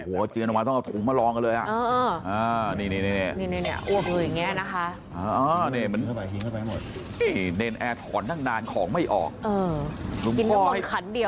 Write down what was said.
โหเจียนวันต้องเอาถุงมาลองกันเลยอ่ะอ่านี่นี่นี่นี่นี่